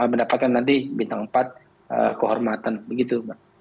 mendapatkan nanti bintang empat kehormatan begitu mbak